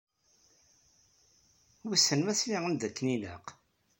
Wissen ma sliɣ-am-d akken ilaq?